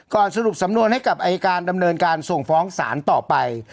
สรุปสำนวนให้กับอายการดำเนินการส่งฟ้องศาลต่อไป